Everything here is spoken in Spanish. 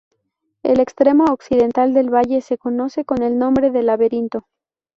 El extremo occidental del valle se conoce con el nombre de Laberinto.